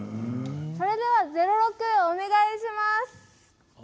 それでは、０−６お願いします！